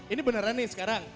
ini beneran nih sekarang